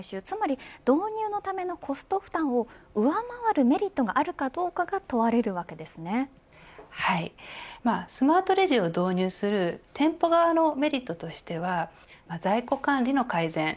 つまり導入のためのコスト負担を上回るメリットがあるかどうかがスマートレジを導入する店舗側のメリットとしては在庫管理の改善